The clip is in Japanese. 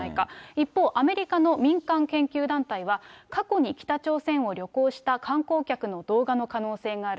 一方、アメリカの民間研究団体は、過去に北朝鮮を旅行した観光客の動画の可能性がある。